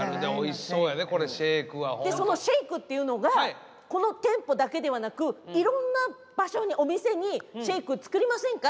そのシェイクっていうのがこの店舗だけではなくいろんな場所にお店にシェイク作りませんか？